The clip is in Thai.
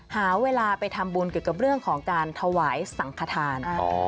หาเวลาไปทำบุญเกี่ยวกับเรื่องของการถวายสังขทาน